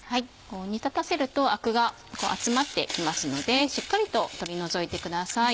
煮立たせるとアクが集まってきますのでしっかりと取り除いてください。